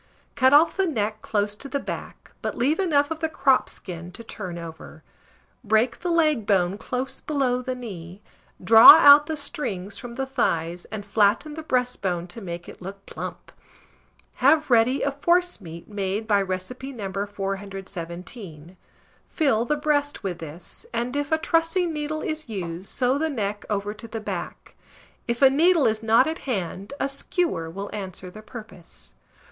Cut off the neck close to the back, but leave enough of the crop skin to turn over; break the leg bone close below the knee, draw out the strings from the thighs, and flatten the breastbone to make it look plump. Have ready a forcemeat made by recipe No. 417; fill the breast with this, and, if a trussing needle is used, sew the neck over to the back; if a needle is not at hand, a skewer will answer the purpose.